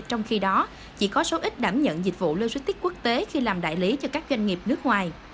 trong khi đó chỉ có số ít đảm nhận dịch vụ logistics quốc tế khi làm đại lý cho các doanh nghiệp nước ngoài